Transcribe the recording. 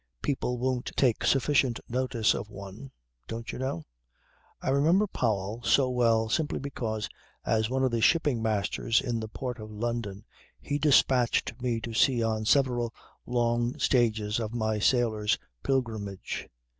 People won't take sufficient notice of one, don't you know. I remember Powell so well simply because as one of the Shipping Masters in the Port of London he dispatched me to sea on several long stages of my sailor's pilgrimage.